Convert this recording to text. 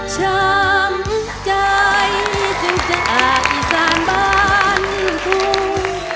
ช้ำใจจึงจะอากิศาลบ้านคุณ